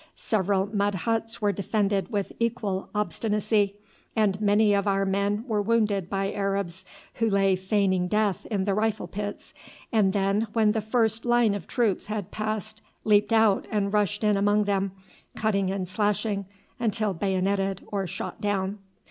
Several mud huts were defended with equal obstinacy, and many of our men were wounded by Arabs who lay feigning death in the rifle pits, and then when the first line of troops had passed leaped out and rushed in among them, cutting and slashing until bayoneted or shot down.